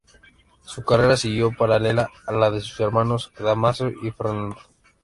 Su carrera siguió paralela a la de sus hermanos Dámaso y Fernando.